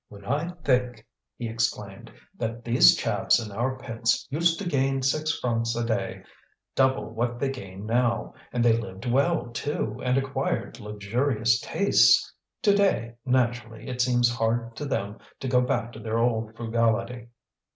"When I think," he exclaimed, "that these chaps in our pits used to gain six francs a day, double what they gain now! And they lived well, too, and acquired luxurious tastes. To day, naturally, it seems hard to them to go back to their old frugality."